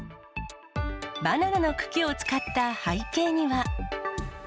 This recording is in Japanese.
バナナの茎を使った背景には。